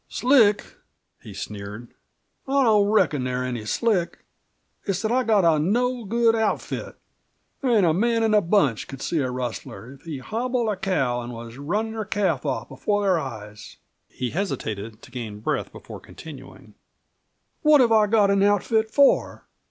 "Slick!" he sneered. "I don't reckon they're any slick. It's that I've got a no good outfit. There ain't a man in the bunch could see a rustler if he'd hobbled a cow and was runnin' her calf off before their eyes!" He hesitated to gain breath before continuing. "What have I got an outfit for?